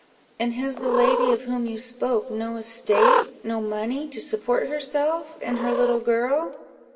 "And has the lady of whom you spoke no estate, no money, to support herself and her little girl?"